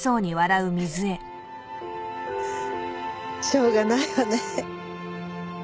しょうがないわね。